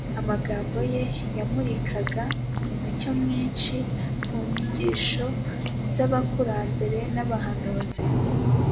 amagambo ye yamurikaga umucyo mwinshi ku nyigisho z’abakurambere n’abahanuzi